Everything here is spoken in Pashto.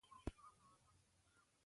احمد د سپین غر په لمنه کې اوسږي.